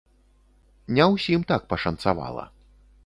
Не ўсім так пашанцавала.